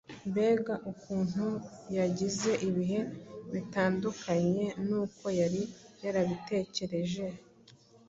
Mbega ukuntu yagize ibihe bitandukanye n’uko yari yarabitekereje!